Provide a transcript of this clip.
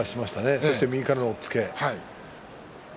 そして、右からの押っつけ。